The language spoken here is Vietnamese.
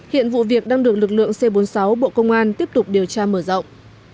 hiện vụ việc đang được lực lượng c bốn mươi sáu bộ công an tiếp tục điều tra mở rộng